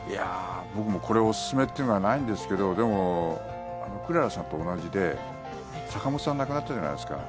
僕もこれがおすすめっていうのはないんですけどでも、くららさんと同じで坂本さん亡くなったじゃないですか。